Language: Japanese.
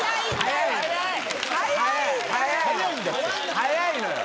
早いのよ！